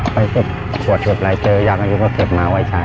ค่อยเก็บขวดเผ็ดไม้เจอยากอายุก็เก็บมาไว้ใช้